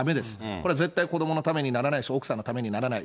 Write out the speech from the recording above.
これは絶対子どものためにならないし、奥さんのためにならない。